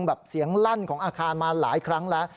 แบบเสียงลั่นของอาคารมาหลายครั้งแล้ว